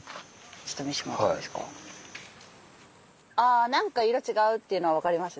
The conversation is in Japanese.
あ何か色違うっていうのは分かります。